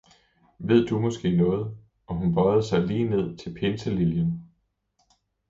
Ved du måske noget? og hun bøjede sig lige ned til pinseliljen.